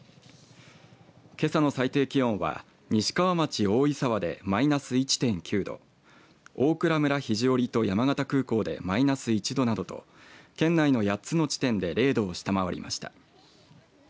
けさの最低気温は西川町大井沢でマイナス１．９度大蔵村肘折と山形空港でマイナス１度などと県内の８つの地点で０度を下回りました。